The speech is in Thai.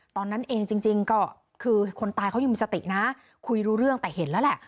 ตอนนั้นเองจริงก็คือคนตายเขายังมีสตินะคุยรู้เรื่องแต่เห็นแล้วแหละ